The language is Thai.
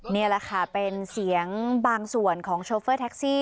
นี่แหละค่ะเป็นเสียงบางส่วนของโชเฟอร์แท็กซี่